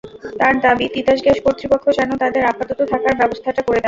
তাঁর দাবি, তিতাস গ্যাস কর্তৃপক্ষ যেন তাঁদের আপাতত থাকার ব্যবস্থাটা করে দেন।